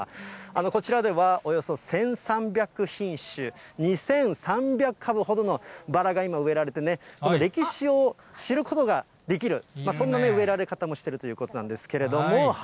こちらではおよそ１３００品種、２３００株ほどのバラが今、植えられてね、歴史を知ることができる、そんな植えられ方もしているということなんですけれども。